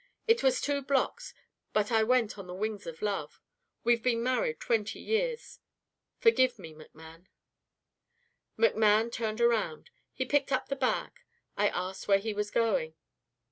It was two blocks but I went on the wings of love. We've been married twenty years. Forgive me, McMann!' "McMann turned around. He picked up the bag. I asked where he was going.